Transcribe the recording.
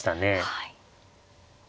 はい。